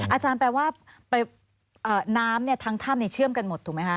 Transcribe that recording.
อาจารย์แปลว่าน้ำเนี่ยทั้งท่ามในเชื่อมกันหมดถูกไหมคะ